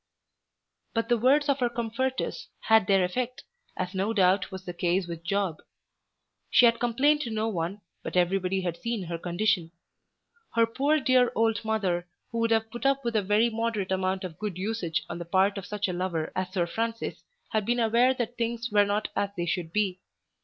But the words of her comforters had their effect, as no doubt was the case with Job. She had complained to no one, but everybody had seen her condition. Her poor dear old mother, who would have put up with a very moderate amount of good usage on the part of such a lover as Sir Francis, had been aware that things were not as they should be.